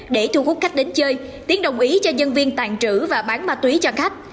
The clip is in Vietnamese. để thu hút khách đến chơi tiến đồng ý cho nhân viên tàn trữ và bán ma túy cho khách